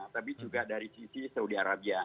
tapi juga dari sisi saudi arabia